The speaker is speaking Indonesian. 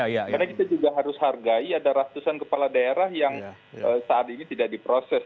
karena kita juga harus hargai ada ratusan kepala daerah yang saat ini tidak diproses